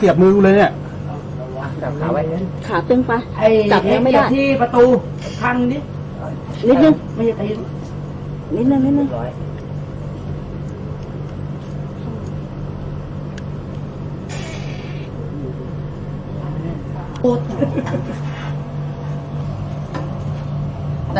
เอาเลยเอาเลยเอาเลยเอาเลยเอาเลยเอาเลยเอาเลยเอาเลยเอาเลย